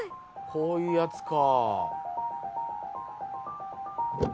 こういうやつか。